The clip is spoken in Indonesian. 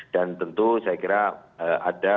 tentu saya kira ada